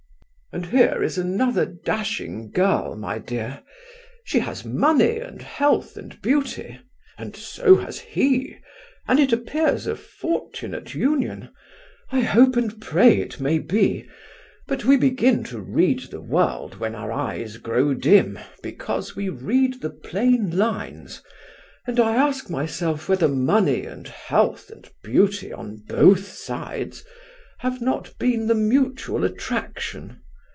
"And here is another dashing girl, my dear; she has money and health and beauty; and so has he; and it appears a fortunate union; I hope and pray it may be; but we begin to read the world when our eyes grow dim, because we read the plain lines, and I ask myself whether money and health and beauty on both sides have not been the mutual attraction.